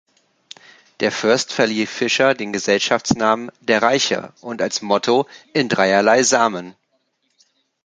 Der Fürst verlieh Fischer den Gesellschaftsnamen "der Reiche" und als Motto "in dreierlei Samen".